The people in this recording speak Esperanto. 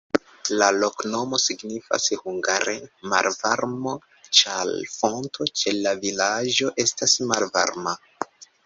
La loknomo signifas hungare malvarmo, ĉar fonto ĉe la vilaĝo estas malvarma.